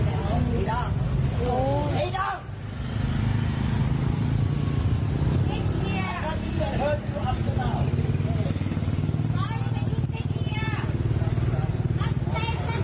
ชาวต่างชาติคนจีนที่ลงไปนั่งไปนอนกับพื้น